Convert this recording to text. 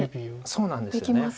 そうなんですよね。